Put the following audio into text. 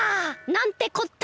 なんてこった！